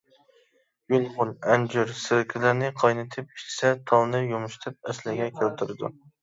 يۇلغۇن، ئەنجۈر، سىركىلەرنى قاينىتىپ ئىچسە، تالنى يۇمشىتىپ ئەسلىگە كەلتۈرىدۇ.